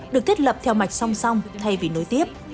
được thiết lập theo mạch song song thay vì nối tiếp